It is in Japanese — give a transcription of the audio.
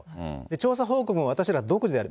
調査報告も私ら独自でやる。